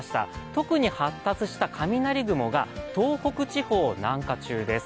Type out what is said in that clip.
特に発達した雷雲が東北地方を南下中です。